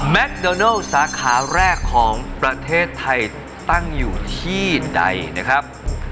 โดนัลสาขาแรกของประเทศไทยตั้งอยู่ที่ใดนะครับ